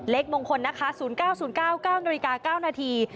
เล็กมงคล๐๙๐๙๙นาฬิกา๙นาที